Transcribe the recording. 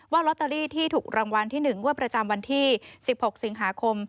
ลอตเตอรี่ที่ถูกรางวัลที่๑งวดประจำวันที่๑๖สิงหาคม